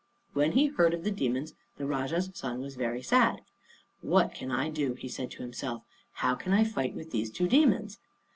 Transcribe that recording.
When he heard of the demons the Rajah's son was very sad. "What can I do?" he said to himself. "How can I fight with these two demons?"